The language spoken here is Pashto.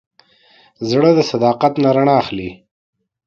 زړه د صداقت نه رڼا اخلي.